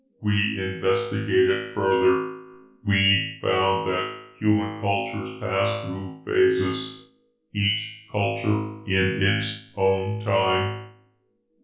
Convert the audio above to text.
"We investigated further. We found that human cultures pass through phases, each culture in its own time.